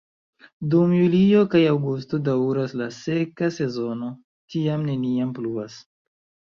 Dum julio kaj aŭgusto daŭras la seka sezono, tiam neniam pluvas.